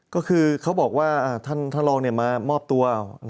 ก็คือเขาบอกว่าท่านรองมามอบตัว